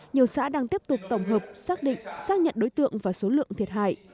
nhiều xã đang tiếp tục tổng hợp xác định xác nhận đối tượng và số lượng thiệt hại